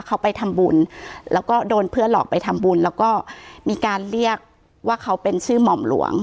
เขาไปทำบุญแล้วก็โดนเพื่อนหลอกไปทำบุญแล้วก็มีการเรียกว่าเขาเป็นชื่อหม่อมหลวง